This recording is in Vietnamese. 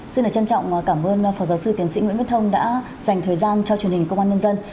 xin trân trọng cảm ơn phó giáo sư tiến sĩ nguyễn viết thông đã dành thời gian cho truyền hình công an nhân dân